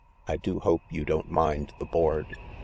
" I do hope you don't mind the board